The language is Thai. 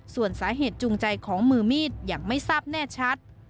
ส่วนสาเหตุจูงใจของมือมีดยังไม่ทราบแน่ชัด